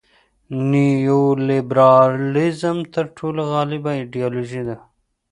نیولیبرالیزم تر ټولو غالبه ایډیالوژي ده.